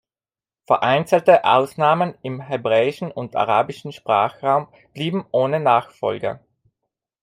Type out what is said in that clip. Vereinzelte Ausnahmen im hebräischen und arabischen Sprachraum blieben ohne Nachfolge.